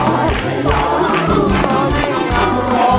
ร้องได้ให้ล้าง